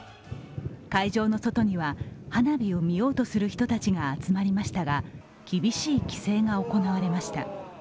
会場の外には花火を見ようとする人たちが集まりましたが、厳しい規制が行われました。